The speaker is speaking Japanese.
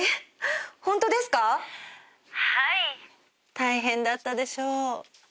大変だったでしょう。